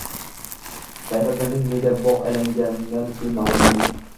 Sayfiddinning nega bog‘ aylangani keyin ma’lum bo‘ldi